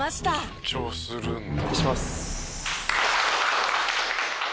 「緊張するんだ」